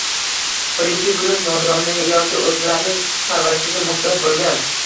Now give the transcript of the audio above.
Birinchi guruh nogironini yoki o‘zgalarning parvarishiga muhtoj bo‘lgan